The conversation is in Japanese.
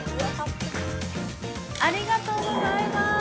◆ありがとうございます。